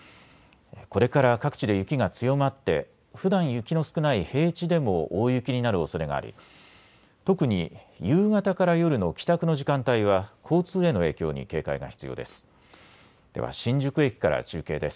これから各地で雪が強まってふだん雪の少ない平地でも大雪になるおそれがあり特に夕方から夜の帰宅の時間帯は交通への影響に警戒が必要です。